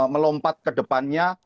melompat ke depannya